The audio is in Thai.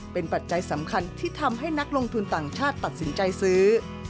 เป็นปัจจัยสำคัญที่ทำให้นักลงทุนต่างชาติตัดสินใจซื้อ